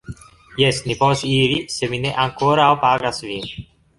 Jes, ni povas iri, sed mi ne ankoraŭ pagas vin